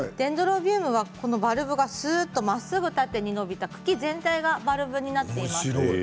このバルブがすっとまっすぐ縦に伸びた茎全体がバルブになっています。